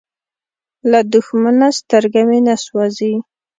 له دښمنه سترګه مې نه سوزي.